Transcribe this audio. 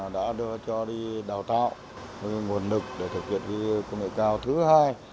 đã đưa cho đi đào tạo nguồn lực để thực hiện công nghệ cao thứ hai